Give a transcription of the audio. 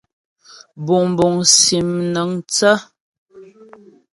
Buŋbuŋ sim mnaəŋthə́.